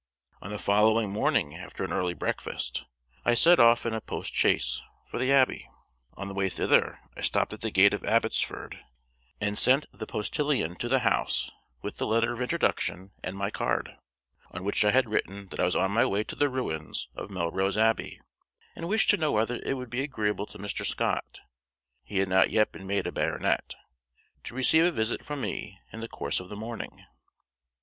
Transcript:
On the following morning, after an early breakfast, I set off in a postchaise for the Abbey. On the way thither I stopped at the gate of Abbotsford, and sent the postilion to the house with the letter of introduction and my card, on which I had written that I was on my way to the ruins of Melrose Abbey, and wished to know whether it would be agreeable to Mr. Scott (he had not yet been made a Baronet) to receive a visit from me in the course of the morning.